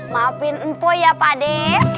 maafin mpo ya pade